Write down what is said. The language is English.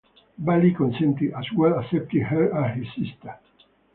Bali consented, as well accepted her as his sister.